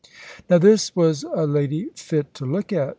Now this was a lady fit to look at.